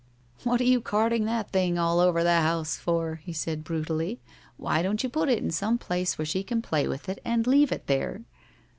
"What are you carting that thing all over the house for?" he said, brutally. "Why don't you put it some place where she can play with it, and leave it there?"